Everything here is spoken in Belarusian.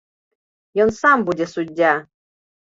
Ён сам будзе суддзя!